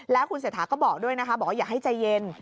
แล้วคุณเศรษฐาก็บอกด้วยนะคะบอกว่าอย่าให้ใจเย็น